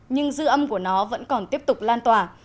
nhưng dư âm của nó vẫn còn tiếp tục lan tỏa